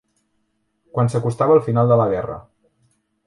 Quan s'acostava el final de la guerra.